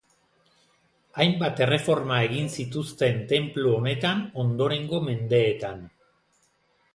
Hainbat erreforma egin zituzten tenplu honetan ondorengo mendeetan.